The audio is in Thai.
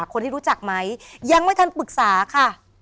คนที่รู้จักไหมยังไม่ทันปรึกษาค่ะ